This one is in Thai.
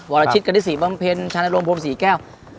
วรชิตกันที่ศรีบังเพลินชั้นอารมณ์พรมศรีแก้ว